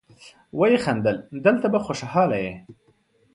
ويې خندل: دلته به خوشاله يې.